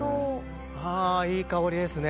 あぁいい香りですね。